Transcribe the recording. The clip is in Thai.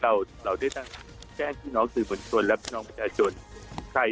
เราเราได้ตั้งแจ้งพี่น้องสื่อบนชนและพี่น้องประชาชนใคร